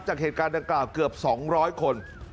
จากเหตุการณ์ดังกล่าวเกือบ๒๐๐คน